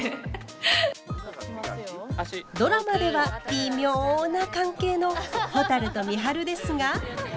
ドラマではビミョな関係のほたると美晴ですが。